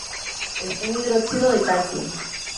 Es un hidróxido de calcio.